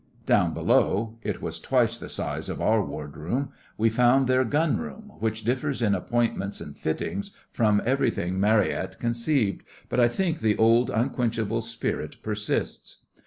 Down below—it was twice the size of our ward room—we found their Gun room, which differs in appointments and fittings from everything Marryat conceived, but I think the old unquenchable spirit persists.